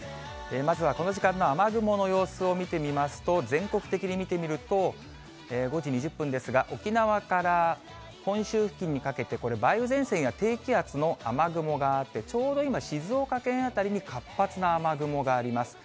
まずはこの時間の雨雲の様子を見てみますと、全国的に見てみると、５時２０分ですが、沖縄から本州付近にかけて、梅雨前線や低気圧の雨雲があって、ちょうど今、静岡県辺りに活発な雨雲があります。